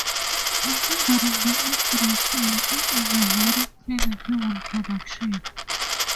Considering the inspiration, it is a very creditable production.